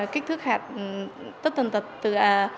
kích thước hạt tất tần tật từ